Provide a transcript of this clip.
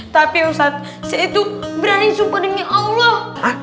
tapi ustadz saya itu berani sumpah demi allah